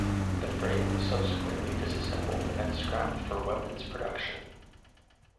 The frame was subsequently disassembled and scrapped for weapons production.